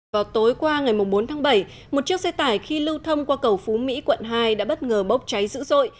vào tối qua ngày bốn tháng bảy một chiếc xe tải khi lưu thông qua cầu phú mỹ quận hai đã bất ngờ bốc cháy dữ dội